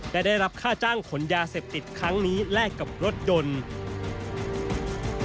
และได้รับค่าจ้างขนยาเสพติดครั้งนี้แลกกับรถยนต์